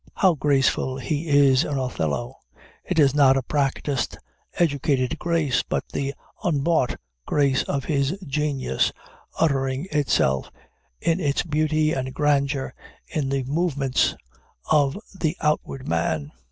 How graceful he is in Othello! It is not a practiced, educated grace, but the "unbought grace" of his genius, uttering itself in its beauty and grandeur in the movements of the outward man.